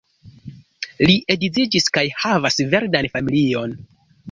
Li edziĝis kaj havas verdan familion.